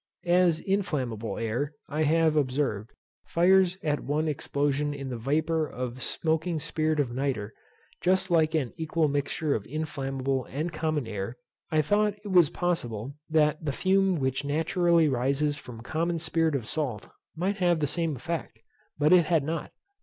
As inflammable air, I have observed, fires at one explosion in the vapour of smoking spirit of nitre, just like an equal mixture of inflammable and common air, I thought it was possible that the fume which naturally rises from common spirit of salt might have the same effect, but it had not.